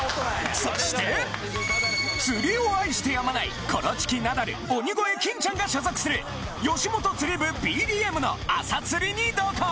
そして釣りを愛してやまないコロチキナダル鬼越金ちゃんが所属する吉本釣り部ＢＤＭの朝釣りに同行！